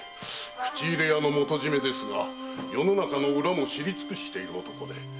口入れ屋の元締ですが世の中の裏も知り尽くしている男で。